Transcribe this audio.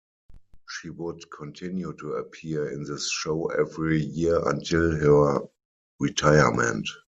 She would continue to appear in this show every year until her retirement.